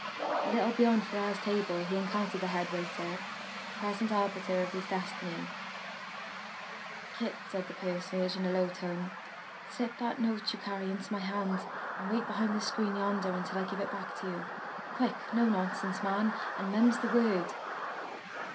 A little beyond Ferrars' table he encountered the head waiter, present arbiter of his destiny. "Kit," said this personage, in a low tone, "slip that note you carry into my hand and wait behind the screen yonder until I give it back to you. Quick! No nonsense, man; and mum's the word!"